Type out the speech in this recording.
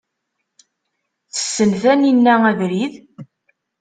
Tessen Taninna abrid?